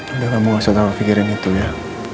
udah kamu gak usah nanggap mikirin itu ya